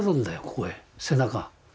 ここへ背中。